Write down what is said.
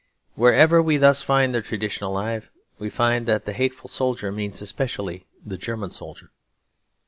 Wherever we thus find the tradition alive we find that the hateful soldier means especially the German soldier.